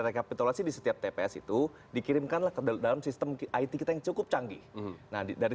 rekapitulasi di setiap tps itu dikirimkanlah ke dalam sistem it kita yang cukup canggih nah dari